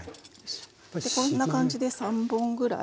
でこんな感じで３本ぐらい。